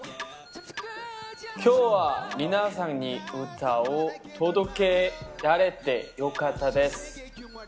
今日は皆さんに歌を届けられてよかったです。